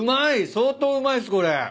相当うまいっすこれ。